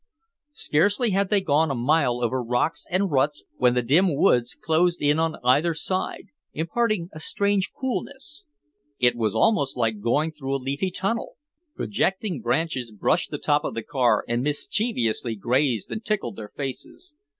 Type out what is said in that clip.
Scarcely had they gone a mile over rocks and ruts when the dim woods closed in on either side, imparting a strange coolness. It was almost like going through a leafy tunnel. Projecting branches brushed the top of the car and mischievously grazed and tickled their faces.